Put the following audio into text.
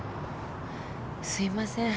すいません。